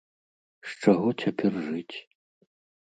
З чаго цяпер жыць?